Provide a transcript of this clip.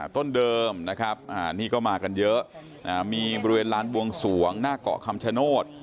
ต้นเดิมนะครับนี่ก็มากันเยอะมีบริเวณลานบวงสวงหน้าเกาะคำชโนธ